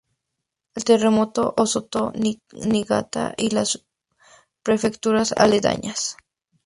El terremoto azotó Niigata y las prefecturas aledañas.